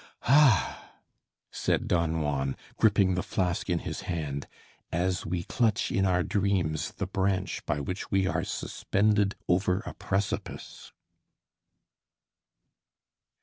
"Ah!" said Don Juan, gripping the flask in his hand as we clutch in our dreams the branch by which we are suspended over a precipice.